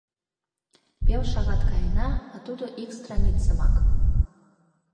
— Пел шагат каена, а тудо ик страницымак..